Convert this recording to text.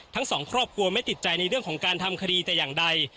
ทั้งสองครอบครัวไม่ติดใจในเรื่องของการทำคดีแต่อย่างใด